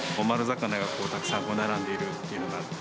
丸魚がたくさん並んでいるっていうのが。